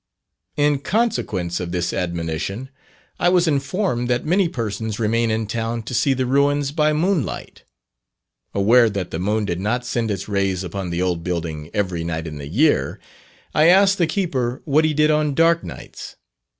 In consequence of this admonition, I was informed that many persons remain in town to see the ruins by moonlight. Aware that the moon did not send its rays upon the old building every night in the year, I asked the keeper what he did on dark nights.